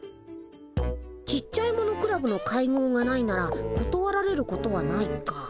ちっちゃいものクラブの会合がないならことわられることはないか。